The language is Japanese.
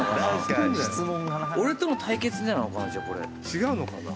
違うのかな。